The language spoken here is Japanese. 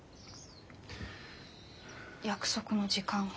約束の時間は？